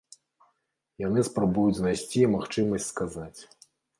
Яны спрабуюць знайсці магчымасць сказаць.